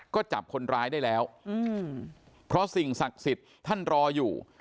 ก็จับคนร้ายได้แล้วเพราะสิ่งศักดิ์สิทธิ์ท่านรออยู่